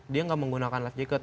dia nggak menggunakan life jacket